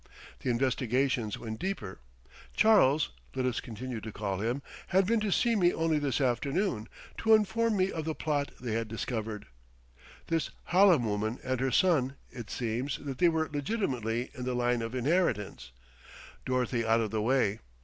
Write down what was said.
The investigations went deeper; Charles let us continue to call him had been to see me only this afternoon, to inform me of the plot they had discovered. This Hallam woman and her son it seems that they were legitimately in the line of inheritance, Dorothy out of the way.